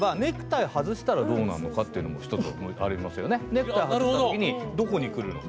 ネクタイ外した時にどこに来るのか。